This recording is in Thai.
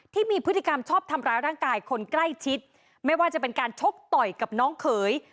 ที่มีพฤติกรรมชอบทำร้ายร่างกายคนใกล้ชิดไม่ว่าจะเป็นการชกต่อยกับน้องเขย